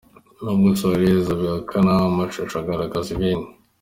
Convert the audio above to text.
Nubwo Suarez abihakana, amashusho agaragaza ibindi.